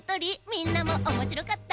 みんなもおもしろかった？